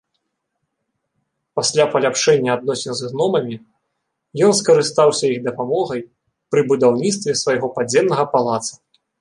Пасля паляпшэння адносін з гномамі ён скарыстаўся іх дапамогай пры будаўніцтве свайго падземнага палаца.